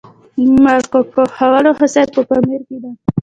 د مارکوپولو هوسۍ په پامیر کې ده